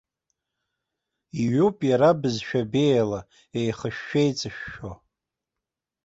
Иҩуп иара бызшәа беиала, еихышәшәаеиҵышәшәо.